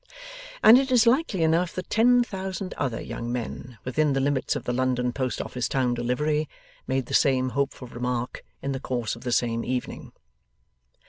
And it is likely enough that ten thousand other young men, within the limits of the London Post office town delivery, made the same hopeful remark in the course of the same evening.